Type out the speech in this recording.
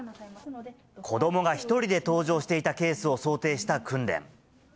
子どもが１人で搭乗していたケースを想定した訓練。